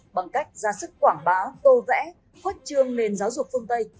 bằng cách ra sức quảng bá tô vẽ khuất trương nền giáo dục phương tây